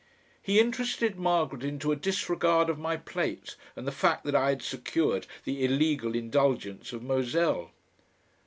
He interested Margaret into a disregard of my plate and the fact that I had secured the illegal indulgence of Moselle.